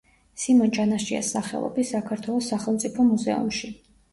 სიმონ ჯანაშიას სახელობის საქართველოს სახელმწიფო მუზეუმში.